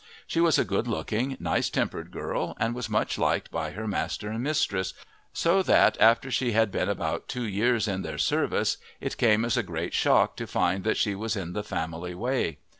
She was a good looking, nice tempered girl, and was much liked by her master and mistress, so that after she had been about two years in their service it came as a great shock to find that she was in the family way.